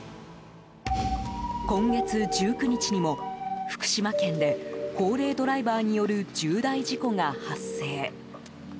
今月１９日にも福島県で高齢ドライバーによる重大事故が発生。